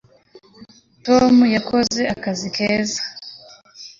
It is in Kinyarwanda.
tom yakoze akazi keza